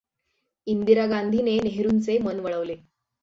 इंदिरा गांधीने नेहरुंचे मन वळवले.